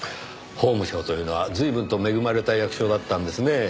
法務省というのは随分と恵まれた役所だったんですねぇ。